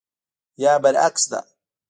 یا برعکس ده.